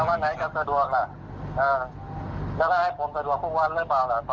แล้วก็ให้ผมสะดวกทุกวันหรือเปล่าล่ะต่อตอนหน้าของคุณเนี่ย